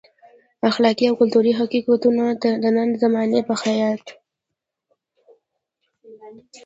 اخلاقي او کلتوري حقیقتونو ته د نن زمانې په خیاط.